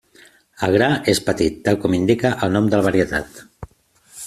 El gra és petit, tal com indica el nom de la varietat.